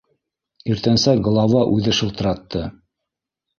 Иртәнсәк глава үҙе шылтыратты.